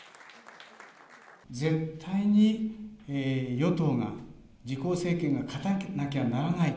絶対に与党が、自公政権が勝たなきゃならない。